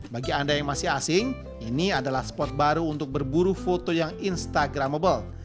bagi anda yang masih asing ini adalah spot baru untuk berburu foto yang instagramable